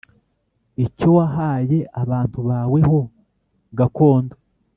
icyo wahaye abantu bawe ho gakondo.